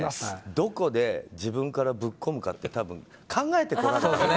どこで自分からぶっこむかって考えてこられたよね。